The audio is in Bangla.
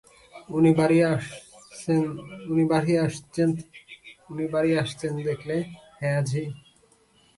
উনি বাড়ি আসচেন দেখলে, হ্যাঁয়া ঝি?